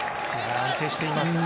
安定しています。